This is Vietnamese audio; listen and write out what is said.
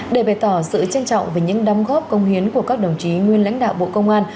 để bày tỏ sự trân trọng về những đóng góp công hiến của các đồng chí nguyên lãnh đạo bộ công an